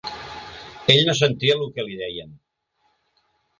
Ell no sentia lo que li deien